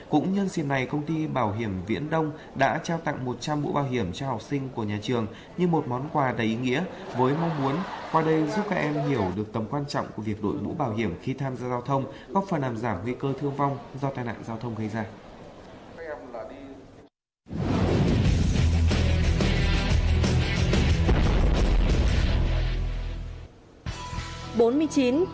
cũng nhân xin này công ty bảo hiểm viễn đông đã trao tặng một trăm linh mũ bảo hiểm cho học sinh của nhà trường như một món quà đầy ý nghĩa với mong muốn qua đây giúp các em hiểu được tầm quan trọng của việc đổi mũ bảo hiểm khi tham gia giao thông góp phần làm giảm nguy cơ thương vong do tai nạn giao thông gây ra